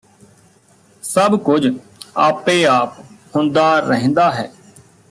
ਸਭ ਕੁਝ ਆਪੇ ਆਪ ਹੁੰਦਾ ਰਹਿੰਦਾ ਹੈ